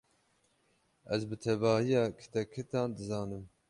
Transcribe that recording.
Ez bi tevahiya kitekitan dizanim.